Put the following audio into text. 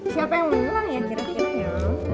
siapa yang menang ya kira kiranya